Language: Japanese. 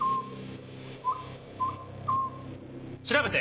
調べて！